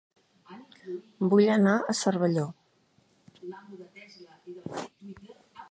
Vull anar a Cervelló